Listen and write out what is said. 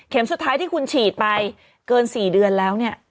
สุดท้ายที่คุณฉีดไปเกิน๔เดือนแล้วเนี่ย